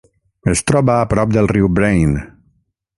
Es troba a prop del riu Brain.